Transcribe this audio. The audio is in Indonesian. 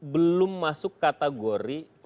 belum masuk kategori